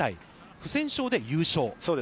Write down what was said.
不戦勝で優勝。